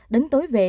đến tối về